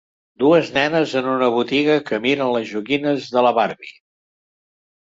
Dues nenes en una botiga que miren les joguines de la Barbie.